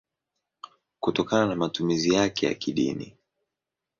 kutokana na matumizi yake ya kidini.